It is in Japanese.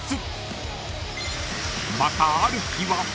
［またある日は］